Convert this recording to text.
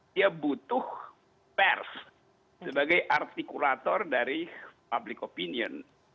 dia butuh pers sebagai artikulator dari public opinion